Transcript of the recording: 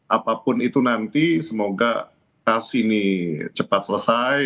apapun itu nanti semoga kasus ini cepat selesai